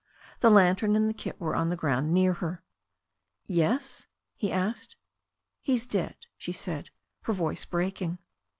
The lantern and the kit were on the ground near her. "Yes?" he asked. "He's dead," she said, her voice breaking.